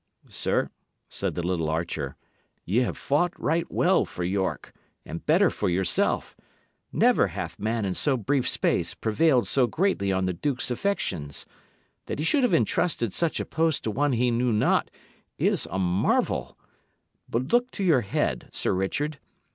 "Sir," said the little archer, "ye have fought right well for York, and better for yourself. Never hath man in so brief space prevailed so greatly on the duke's affections. That he should have entrusted such a post to one he knew not is a marvel. But look to your head, Sir Richard!